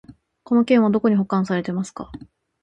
この件はどこに保管されてますか？